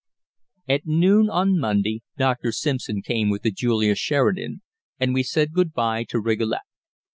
At noon on Monday Dr. Simpson came with the Julia Sheridan, and we said good bye to Rigolet.